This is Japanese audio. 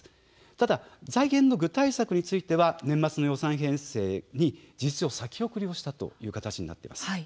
ただ財源の具体策については年末の予算編成に事実上、先送りしたという形になっています。